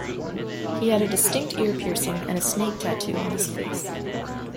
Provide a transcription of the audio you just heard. He had a distinct ear piercing and a snake tattoo on his face.